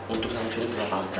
untuk ngancurin kelapaan jalanan